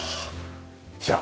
じゃあ。